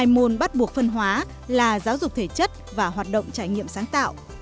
hai môn bắt buộc phân hóa là giáo dục thể chất và hoạt động trải nghiệm sáng tạo